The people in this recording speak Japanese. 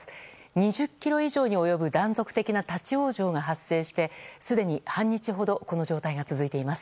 ２０ｋｍ以上に及ぶ断続的な立ち往生が発生してすでに半日ほどこの状態が続いています。